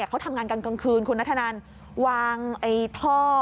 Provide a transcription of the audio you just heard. เขาทำงานกันกลางคืนคุณนัทธนันวางท่อ